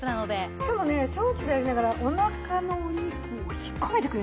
しかもねショーツでありながらおなかのお肉を引っ込めてくれるんですよ。